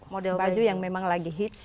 model baju yang memang lagi hits